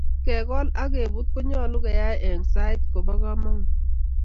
ke gol ak kebut konyalun keai eng' sait kobo kamangut